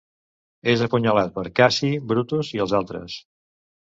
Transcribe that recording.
És apunyalat per Cassi, Brutus i els altres.